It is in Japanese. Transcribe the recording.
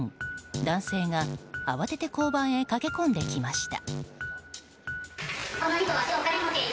男性が慌てて交番へ駆け込んできました。